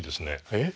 えっ？